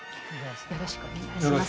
よろしくお願いします